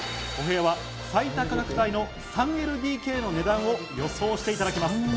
お部屋は最多価格帯の３ＬＤＫの値段を予想していただきます。